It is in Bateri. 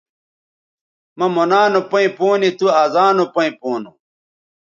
مہ مونا نو پیئں پونے تُو ازانو پیئں پونو